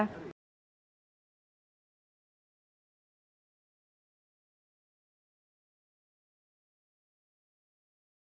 terima kasih pak